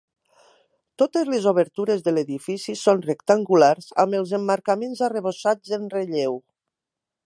Totes les obertures de l'edifici són rectangulars, amb els emmarcaments arrebossats en relleu.